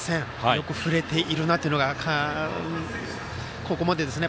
よく振れているなというのがここまでですね。